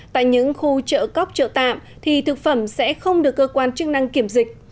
tại những khu chợ cóc chợ tạm thì thực phẩm sẽ không được cơ quan chức năng kiểm dịch